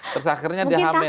terakhirnya dia hamil